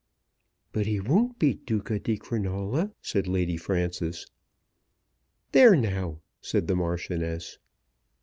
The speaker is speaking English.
"But he won't be Duca di Crinola," said Lady Frances. "There now!" said the Marchioness.